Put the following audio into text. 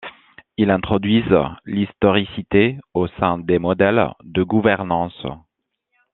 Ils introduisent l’historicité au sein des modèles de gouvernance.